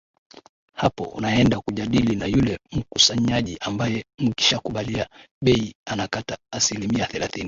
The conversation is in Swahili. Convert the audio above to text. hapo unaenda kujadili na yule mkusanyaji ambaye mkishakubalia bei anakata asilimia thelathini